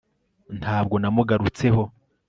ntabwo namugarutse ho